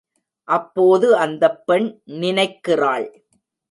அப்போது அந்தப் பெண் நினைக்கிறாள்.